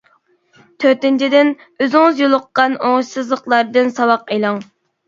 تۆتىنچىدىن: ئۆزىڭىز يولۇققان ئوڭۇشسىزلىقلاردىن ساۋاق ئېلىڭ.